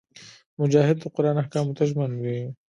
مجاهد د قران احکامو ته ژمن وي.